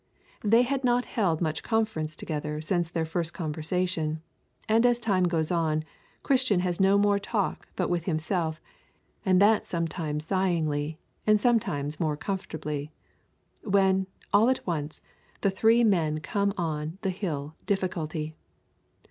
They had not held much conference together since their first conversation, and as time goes on, Christian has no more talk but with himself, and that sometimes sighingly, and sometimes more comfortably. When, all at once, the three men come on the hill Difficulty.